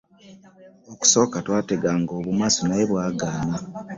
Okusooka twateganga bumasu naye byagaana.